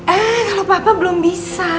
eh kalau papa belum bisa